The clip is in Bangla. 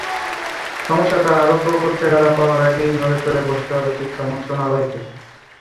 সমস্যাটা আরও প্রকট চেহারা পাওয়ার আগেই নড়েচড়ে বসতে হবে শিক্ষা মন্ত্রণালয়কে।